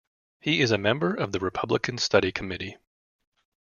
He is a member of the Republican Study Committee.